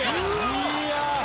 いや。